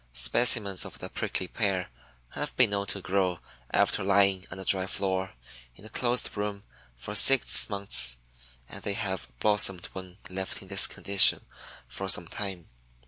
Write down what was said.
Specimens of the Prickly Pear have been known to grow after lying on a dry floor, in a closed room, for six months and they have blossomed when left in this condition for some time.